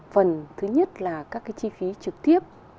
phần thứ nhất là các cái chi phí trực tiếp